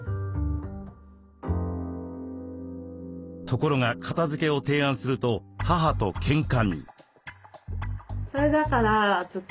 ところが片づけを提案すると母とけんかに。